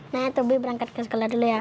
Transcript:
nah tobi berangkat ke sekolah dulu ya